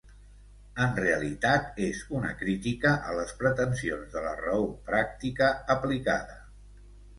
En realitat, és una crítica a les pretensions de la raó pràctica "aplicada".